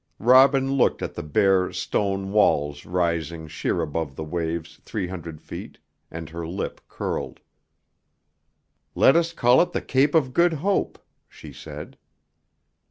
Robin looked at the bare, stone walls rising sheer above the waves three hundred feet, and her lip curled. "Let us call it the Cape of Good Hope," she said.